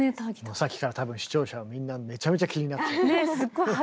さっきから多分視聴者はみんなめちゃめちゃ気になってた。